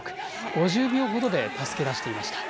５０秒ほどで助け出していました。